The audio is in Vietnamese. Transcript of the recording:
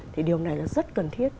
thì điều này là rất cần thiết